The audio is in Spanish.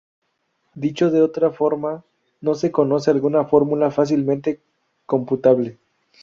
Dicho de otra forma, no se conoce alguna fórmula fácilmente computable.